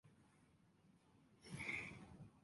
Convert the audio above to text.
北海道長万部町